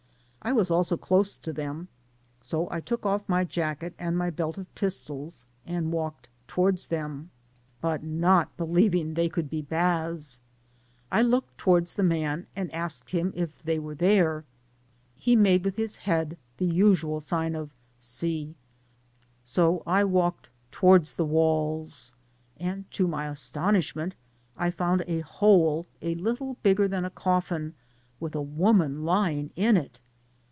I was also close to them, so I took off my jacket and my belt of justols, and walked towards them j but no$ believing they could be baths, I looked towards the man, and asked him if they were there, He made with his bead the usual sign of <^ Si ;'' so I walked towards the walls, and to my astonishment I found a hole a little bigger than a coffin, with a woman lying in it